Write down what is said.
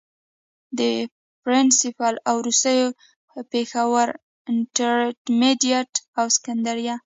د پرنسپل او وروستو پيښورانټرميډيټ او سکنډري